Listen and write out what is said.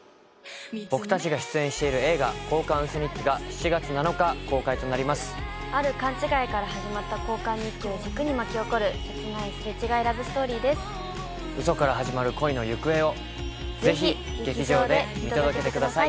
僕達が出演している映画「交換ウソ日記」が７月７日公開となりますある勘違いから始まった交換日記を軸に巻き起こる切ないすれ違いラブストーリーですウソから始まる恋の行方をぜひ劇場で見届けてください